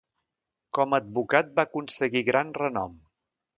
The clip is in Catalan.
Com a advocat va aconseguir gran renom.